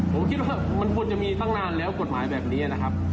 ผมคิดว่ามันควรจะมีตั้งนานแล้วกฎหมายแบบนี้นะครับ